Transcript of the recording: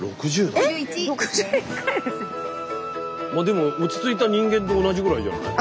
まあでも落ち着いた人間と同じぐらいじゃない？